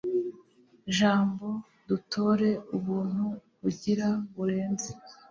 jambo, dutore ubuntu agira burenze